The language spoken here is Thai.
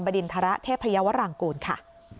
ดินทรเทพยาวรางกูลค่ะ